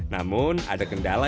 namun ada kendala